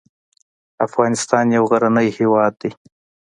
افغانستان يو غرنی هېواد دی.